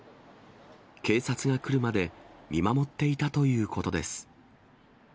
警察が来るまで見守っていたということです。